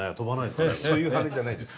そういう羽じゃないです。